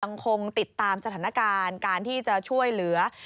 ยังคงติดตามสถานการณ์การที่จะช่วยเหลือ